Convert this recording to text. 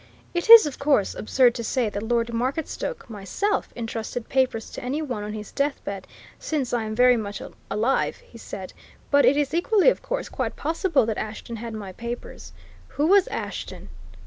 "It is, of course, absurd to say that Lord Marketstoke myself! intrusted papers to any one on his deathbed, since I am very much alive," he said. "But it is, equally of course, quite possible that Ashton had my papers. Who was Ashton?"